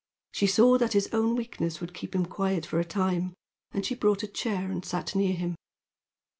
She saw that his own weakness would keep him quiet for a time; and she brought a chair and sat near him.